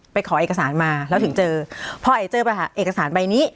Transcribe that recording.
ขอเอกสารมาแล้วถึงเจอพอเอกเจอเอกสารใบนี้